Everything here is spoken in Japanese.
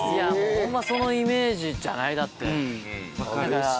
ホンマそのイメージじゃない？だって。